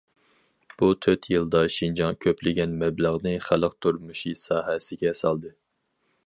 بۇ تۆت يىلدا شىنجاڭ كۆپلىگەن مەبلەغنى خەلق تۇرمۇشى ساھەسىگە سالدى.